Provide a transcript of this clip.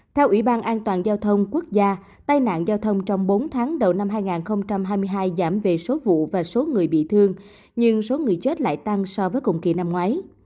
theo ủy ban an toàn giao thông quốc gia tai nạn giao thông trong bốn tháng đầu năm hai nghìn hai mươi hai giảm về số vụ và số người bị thương nhưng số người chết lại tăng so với cùng kỳ năm ngoái